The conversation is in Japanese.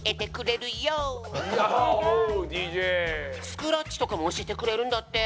スクラッチとかもおしえてくれるんだって！